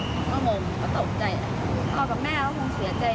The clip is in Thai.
พ่อกับแม่เค้าคงเสียใจมากนะคะเพราะว่าเค้าเป็นตำรวจแล้วเค้าซีเรียสเรื่องนี้